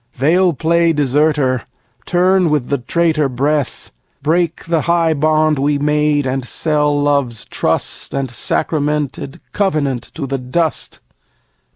They'll play deserter, turn with the traitor breath, Break the high bond we made, and sell Love's trust And sacramented covenant to the dust.